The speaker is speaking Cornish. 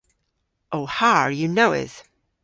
Ow harr yw nowydh.